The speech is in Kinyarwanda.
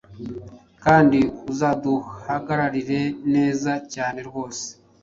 kandi uzaduhagararire neza cyane rwose.